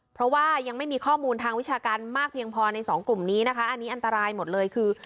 เพราะว่ายังไม่มีข้อมูลทางวิชาการมากเพียงพอในสองกลุ่มนี้นะคะอันนี้อันตรายหมดเลยคือ